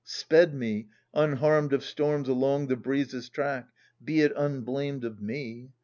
Sped me, unharmed of storms, along the breeze's track Be it unblamed of me